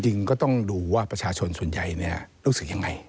จริงก็ต้องดูว่าประชาชนส่วนใหญ่รู้สึกยังไง